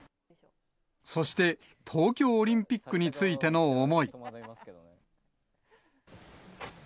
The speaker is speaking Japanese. そして、東京オリンピックについての思い。